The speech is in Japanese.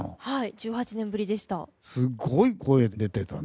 １８年ぶりでした。